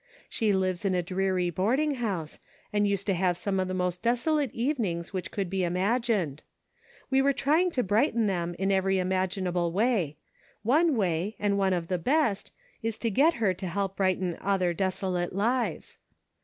She lives in a dreary boarding house, and used to have some of the most desolate evenings which could be imagined. We are trying to brighten them in every imaginable way ; one way, and one of the best, is to get her to help brighten other desolate lives.